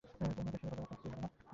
দেবশরীর ভোজন বা পান কিছুই করে না।